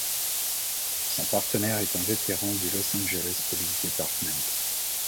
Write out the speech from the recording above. Son partenaire est un vétéran du Los Angeles Police Department.